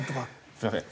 すみません。